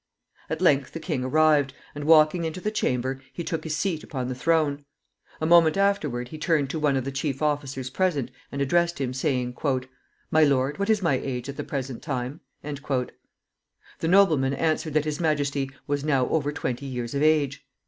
At length the king arrived, and, walking into the chamber, he took his seat upon the throne. A moment afterward he turned to one of the chief officers present and addressed him, saying, "My lord, what is my age at the present time?" The nobleman answered that his majesty was now over twenty years of age.